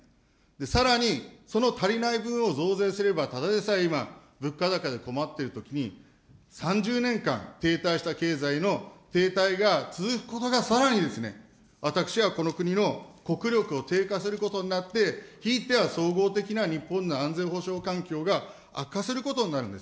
さらに、その足りない部分を増税すれば、ただでさえ今、物価高で困ってるときに、３０年間停滞した経済の停滞が続くことがさらに私はこの国の国力を低下することになって、ひいては総合的な日本の安全保障環境が悪化することになるんです。